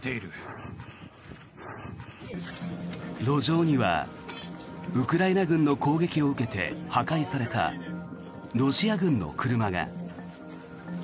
路上にはウクライナ軍の攻撃を受けて破壊されたロシア軍の車が。